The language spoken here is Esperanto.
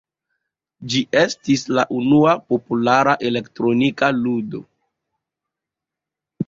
Ĝi estis la unua populara elektronika ludo.